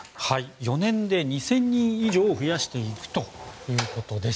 ４年で２０００人以上増やしていくということです。